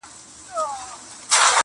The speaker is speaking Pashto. پر وطن باندي موږ تېر تر سر او تن یو؛